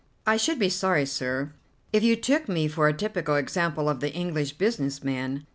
"I should be sorry, sir, if you took me for a typical example of the English business man.